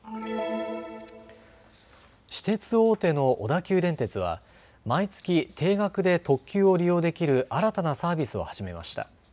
私鉄大手の小田急電鉄は毎月、定額で特急を利用できる新たなサービスを始めました。